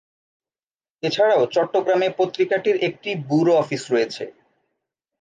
এছাড়াও চট্টগ্রামে পত্রিকাটির একটি ব্যুরো অফিস রয়েছে।